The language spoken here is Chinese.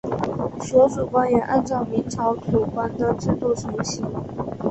所属官员按照明朝土官的制度承袭。